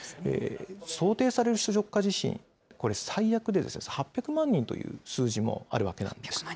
想定される首都直下地震、これ、最悪で８００万人という数字もあるわけなんです。